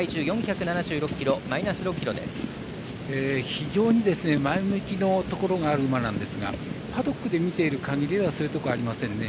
非常に前向きのところがある馬なんですがパドックで見ているところではそういうところはありませんね。